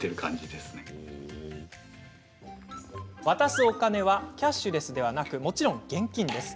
渡すお金はキャッシュレスではなくもちろん現金。